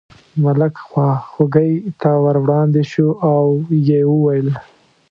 ملک خواخوږۍ ته ور وړاندې شو او یې وویل.